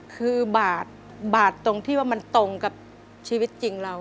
คือบาทบาทตรงที่ว่ามันตรงกับชีวิตจริงเรา